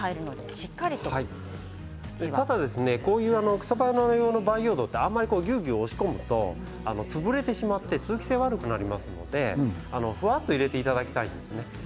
こういう草花用の培養土はぎゅうぎゅう押し込むと潰れてしまって通気性が悪くなりますのでふわっと入れていただきたいんです。